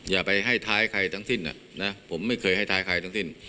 อย่าไปให้ท้ายใครทั้งสิ้นนะผมไม่เคยให้ท้ายใครทั้งสิ้น